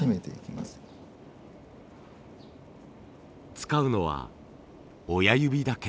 使うのは親指だけ。